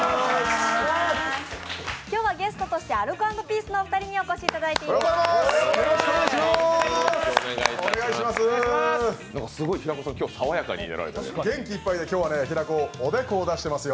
今日はゲストとしてアルコ＆ピースのお二人にお越しいただいています。